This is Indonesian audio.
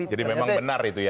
jadi memang benar itu ya